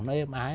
nó êm ái